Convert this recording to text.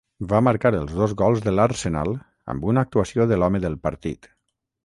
Va marcar els dos gols de l'Arsenal amb una actuació de l'home del partit.